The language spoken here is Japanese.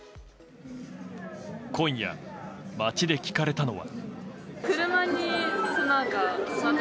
今夜、街で聞かれたのは。